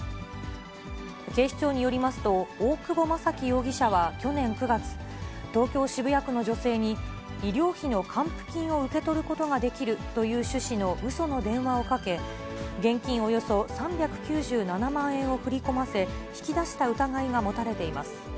警視庁によりますと、大久保まさき容疑者は去年９月、東京・渋谷区の女性に、医療費の還付金を受け取ることができるという趣旨のうその電話をかけ、現金およそ３９７万円を振り込ませ、引き出した疑いが持たれています。